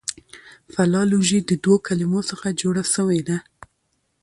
فلالوژي د دوو کلمو څخه جوړه سوې ده.